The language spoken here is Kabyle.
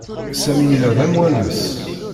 Sami yella d amwanes.